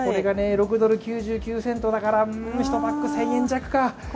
６ドル９９セントだから１パック１０００円弱か。